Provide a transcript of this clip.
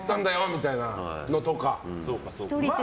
みたいなこととか。